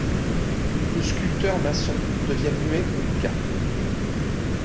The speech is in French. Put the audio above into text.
Le sculpteur Masson devient muet comme une carpe.